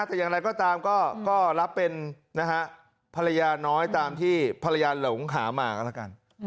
แต่อย่างไรก็ตามก็รับเป็นนะฮะภรรยาน้อยตามที่ภรรยาหลงหามาก็แล้วกัน